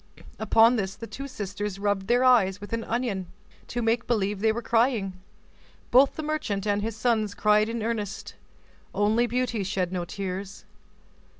Upon this, the two sisters rubbed their eyes with an onion, to make believe they were crying; both the merchant and his sons cried in earnest. Only Beauty shed no tears.